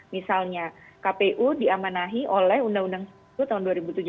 misalnya kpu diamanahi oleh undang undang sepuluh tahun dua ribu tujuh belas